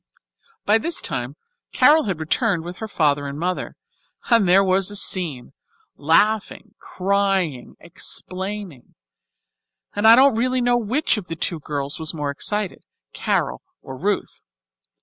By this time Carol had returned with her father and mother, and there was a scene laughing, crying, explaining and I don't really know which of the two girls was the more excited, Carol or Ruth.